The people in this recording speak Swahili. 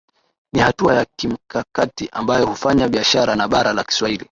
Ni hatua ya kimkakati ambayo kufanya biashara na bara la Kiswahili